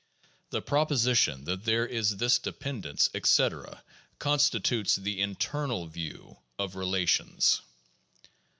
The proposition that there is this dependence, etc., constitutes the "internal view" of relations.